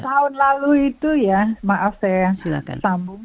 nah tahun lalu itu ya maaf saya sambung